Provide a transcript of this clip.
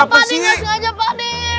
kenapa pak ade nggak sengaja pak ade